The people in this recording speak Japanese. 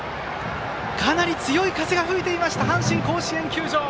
かなり強い風が吹いていました阪神甲子園球場。